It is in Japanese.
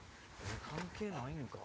関係ないんか？